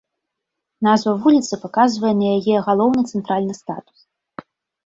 Назва вуліцы паказвае на яе галоўны цэнтральны статус.